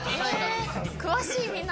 詳しいみんな。